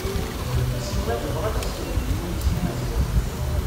Sima tebɣa ad as-teldi ul-is i Maziɣ.